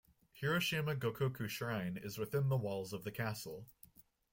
Hiroshima Gokoku Shrine is within the walls of the castle.